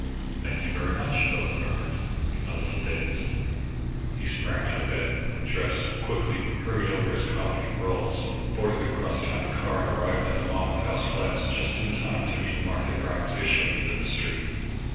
"Thank you very much," Philip murmured, a little dazed. He sprang out of bed, dressed quickly, hurried over his coffee and rolls, boarded a cross town car, and arrived at the Monmouth House flats just in time to meet Martha Grimes issuing into the street.